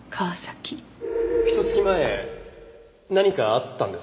ひと月前何かあったんですか？